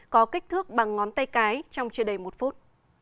có kích thước bằng ngón tay cái trong chưa đầy một phút